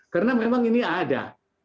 karena memang ini ada